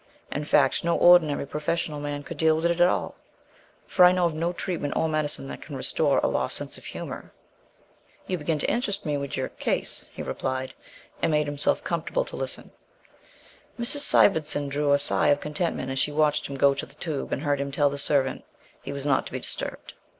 In fact, no ordinary professional man could deal with it at all, for I know of no treatment or medicine that can restore a lost sense of humour!" "You begin to interest me with your 'case,'" he replied, and made himself comfortable to listen. Mrs. Sivendson drew a sigh of contentment as she watched him go to the tube and heard him tell the servant he was not to be disturbed.